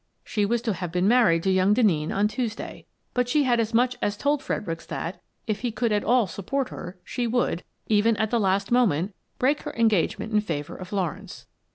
She was to have been married to young Denneen cm Tuesday. But she had as much as told Fred ericks that, if he could at all support her, she would, 69 70 Miss Frances Baird, Detective even at the last moment, break her engagement in favour of Lawrence.